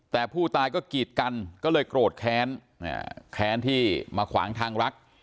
แต่ผู้ตายก็กีดกันก็เลยโกรธแค้นแค้นที่มาขวางทางรัก